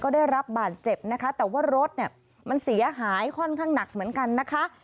ได้รับบาดเจ็บนะคะแต่ว่ารถเนี่ยมันเสียหายค่อนข้างหนักเหมือนกันนะคะ